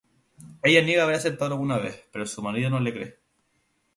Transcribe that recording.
Ella niega haber aceptado alguna vez, pero su marido no le cree.